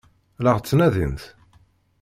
La ɣ-ttnadint?